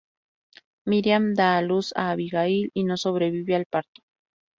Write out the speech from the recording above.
Miriam da a luz a Abigail y no sobrevive al parto.